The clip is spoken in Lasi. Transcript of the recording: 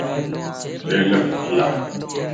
ريلک ڀيار